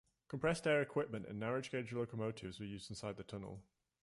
Compressed air equipment and narrow gauge locomotives were used inside the tunnel.